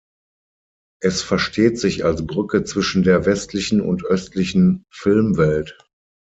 Es versteht sich als Brücke zwischen der westlichen und östlichen Filmwelt.